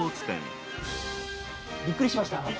びっくりしました？